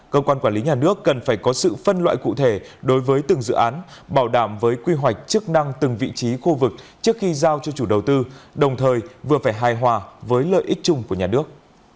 cơ quan quản lý nhà nước cần phải có sự phân loại cụ thể đối với từng dự án bảo đảm với quy hoạch chức năng từng vị trí khu vực trước khi giao cho chủ đầu tư đồng thời vừa phải hài hòa với lợi ích chung của nhà nước